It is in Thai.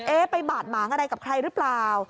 เอ๊ะไปบาดหมางอะไรกับใครรึเปล่า